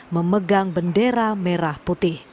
memegang bendera merah putih